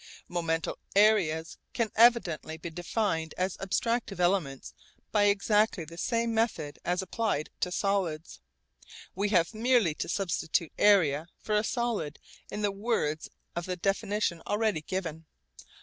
Momental areas can evidently be defined as abstractive elements by exactly the same method as applied to solids. We have merely to substitute 'area' for a 'solid' in the words of the definition already given.